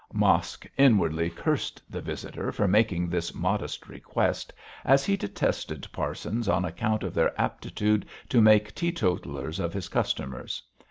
Mosk inwardly cursed the visitor for making this modest request, as he detested parsons on account of their aptitude to make teetotalers of his customers.